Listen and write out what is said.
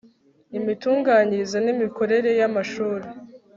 imitunganyirize n imikorere y Amashuri